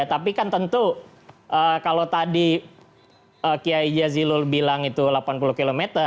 tapi kan tentu kalau tadi kiai jazilul bilang itu delapan puluh km